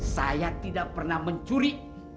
saya tidak pernah mencuri